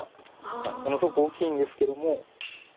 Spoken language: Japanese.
ものすごく大きいんですけども。